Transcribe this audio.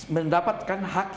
mendapatkan hak yang diperlukan